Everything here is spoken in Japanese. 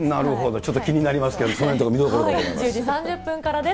ちょっと気になりますけれども、その辺のところ、見どころだと思います。